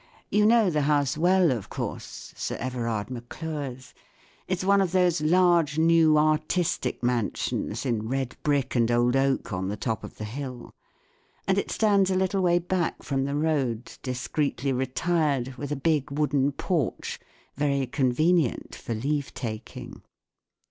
You know the house well, of course ; Sir Eve rard Maelure's ; it's one of those large new artistic mansions, in red brick and old oak, on the top of the hill; and it stands a little way back from the road, dis¬ creetly retired* with a big wooden porch, very convenient for leave taking.